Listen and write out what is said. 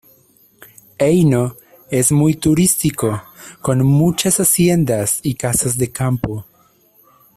Heino es muy turístico con muchas haciendas y casas de campo.